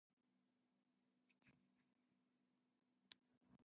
Sendagaya is an important center for culture and sporting venues.